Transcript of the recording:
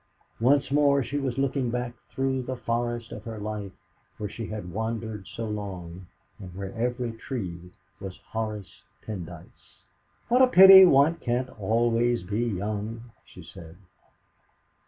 Once more she was looking back through that forest of her life where she had wandered so long, and where every tree was Horace Pendyce. "What a pity one can't always be young!" she said.